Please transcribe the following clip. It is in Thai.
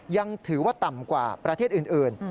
ยังถือว่าต่ำกว่าประเทศอื่น